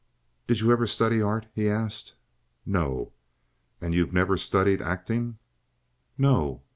"Did you ever study art?" he asked. "No." "And you never studied acting?" "No."